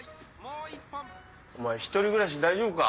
お前１人暮らし大丈夫か？